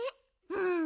うん。